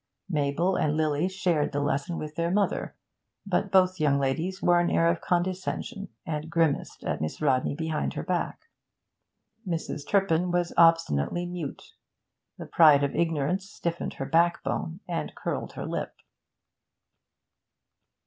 Mabel and Lily shared the lesson with their mother, but both young ladies wore an air of condescension, and grimaced at Miss Rodney behind her back. Mrs. Turpin was obstinately mute. The pride of ignorance stiffened her backbone and curled her lip.